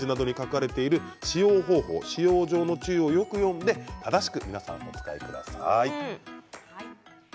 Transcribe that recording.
必ずパッケージなどに書かれている使用方法、使用上の注意をよく読んで正しくお使いください。